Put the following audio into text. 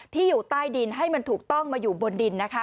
อยู่ใต้ดินให้มันถูกต้องมาอยู่บนดินนะคะ